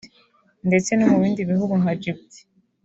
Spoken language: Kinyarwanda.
ndetse no mu bindi bihugu nka Djibouti